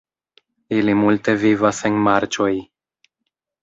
Ili multe vivas en marĉoj.